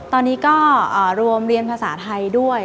ตอนนี้ก็รวมเรียนภาษาไทยด้วย